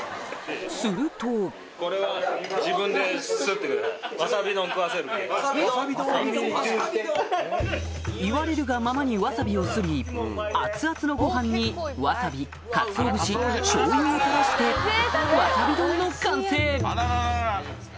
すると言われるがままにワサビを摺り熱々のご飯にワサビかつお節しょうゆを垂らしての完成！